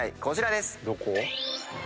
こちらです！